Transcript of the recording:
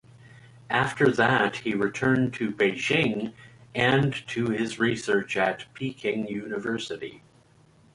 After that, he returned to Beijing and to his research at Peking University.